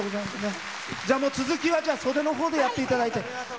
続きは袖のほうでやっていただいて。